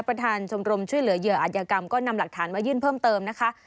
ประธานชมรมช่วยเหลือเหยื่ออัธยกรรมก็นำหลักฐานมายื่นเพิ่มเติมนะคะ